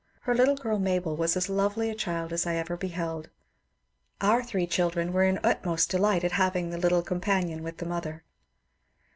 Her little girl Mabel was as lovely a child as I ever beheld ; our three children were in utmost delight at having the little companion with the mother.